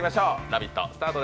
「ラヴィット！」